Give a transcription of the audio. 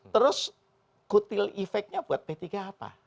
terus kutil efeknya buat p tiga apa